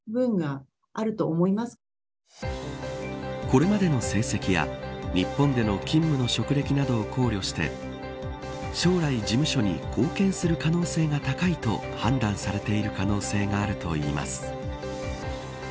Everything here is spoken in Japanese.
これまでの成績や日本での勤務の職歴などを考慮して将来事務所に貢献する可能性が高いと判断されている可能性があるといいます。